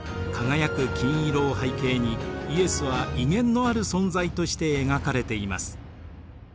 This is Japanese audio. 輝く金色を背景にイエスは威厳のある存在として描かれています。